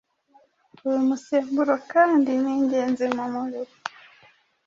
uyu musemburo kandi ningenzi mumubiri